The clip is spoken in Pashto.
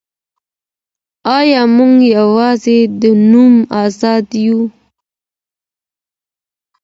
آیا موږ یوازې د نوم آزاد یو؟